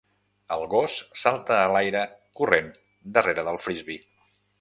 El gos salta a l'aire corrent darrere del frisbee.